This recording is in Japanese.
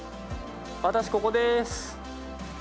私、ここでーす。